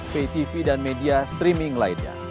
ptv dan media streaming lainnya